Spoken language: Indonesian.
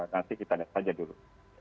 nanti kita lihat saja dulu